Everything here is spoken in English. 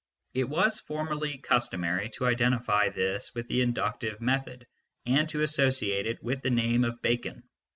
It was formerly customary to identify this with the inductive method, and to associate it with the name of Bacon.